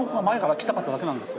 来たかっただけなんです。